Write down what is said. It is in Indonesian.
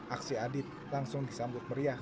aksi adit langsung disambut meriah